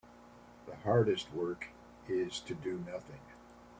The hardest work is to do nothing.